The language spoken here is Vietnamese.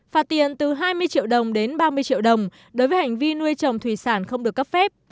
phạt tiền từ hai mươi triệu đồng đến ba mươi triệu đồng đối với hành vi nuôi trồng thủy sản không được cấp phép